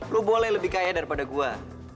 lo boleh lebih kaya daripada gue